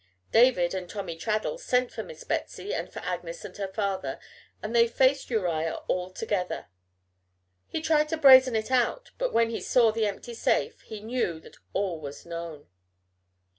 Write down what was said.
David and Tommy Traddles sent for Miss Betsy and for Agnes and her father, and they faced Uriah all together. He tried to brazen it out, but when he saw the empty safe he knew that all was known.